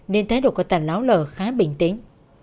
nên thái độ của tẩn lão l khá bình tĩnh